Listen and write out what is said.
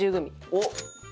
おっ！